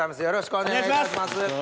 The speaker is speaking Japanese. よろしくお願いします。